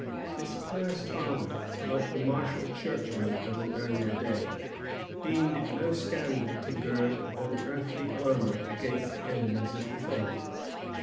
This pious father, like the martial churchmen of an earlier day, deemed it no scandal to gird on earthly armor against the enemies of the faith.